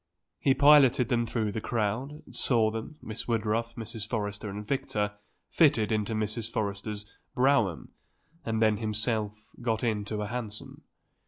He piloted them through the crowd, saw them Miss Woodruff, Mrs. Forrester and Victor, fitted into Mrs. Forrester's brougham, and then himself got into a hansom.